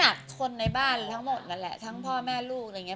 คนในบ้านทั้งหมดนั่นแหละทั้งพ่อแม่ลูกอะไรอย่างนี้